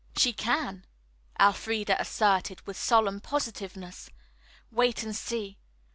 "She can," Elfreda asserted with solemn positiveness. "Wait and see.